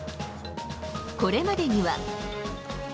これまでには。